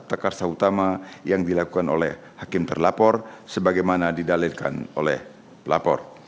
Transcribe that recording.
tekarsa utama yang dilakukan oleh hakim terlapor sebagaimana didalilkan oleh pelapor